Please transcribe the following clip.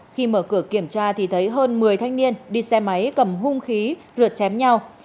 khi mở cửa kiểm tra thì thấy hơn một mươi thanh niên đi xe máy cầm hung khí rượt chém nhau